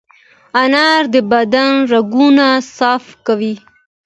انار د بدن رګونه صفا کوي.